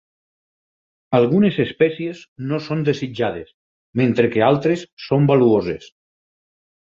Algunes espècies no són desitjades, mentre que altres són valuoses.